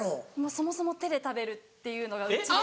そもそも手で食べるっていうのがうちでは。